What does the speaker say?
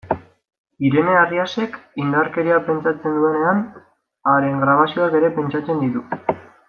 Irene Arriasek, indarkeria pentsatzen duenean, haren grabazioak ere pentsatzen ditu.